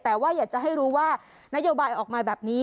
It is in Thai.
แต่ว่าอยากจะให้รู้ว่านโยบายออกมาแบบนี้